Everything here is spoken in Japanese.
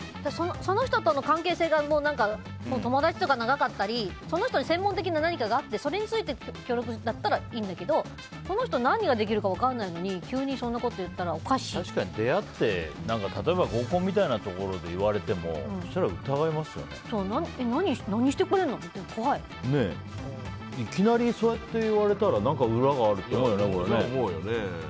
その人との関係性が友達とか長かったりその人に専門的な何かがあってそれについて協力するんだったらいいんだけどこの人何ができるか分からないのに確かに出会って例えば、合コンみたいなところで言われても何してくれんの？っていきなりそう言われたら何か裏があるって思うよね。